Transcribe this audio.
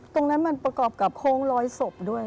ตรงนั้นมันประกอบกับโค้งลอยศพด้วย